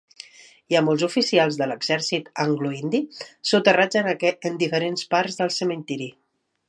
Hi ha molts oficials de l'exèrcit angloindi soterrats en diferents parts del cementiri.